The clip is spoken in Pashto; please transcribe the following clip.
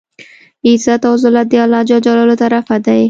عزت او زلت د الله ج له طرفه دی.